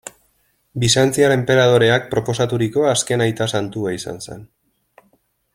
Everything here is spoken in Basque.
Bizantziar enperadoreak proposaturiko azken aita santua izan zen.